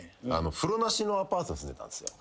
風呂なしのアパート住んでたんすけど。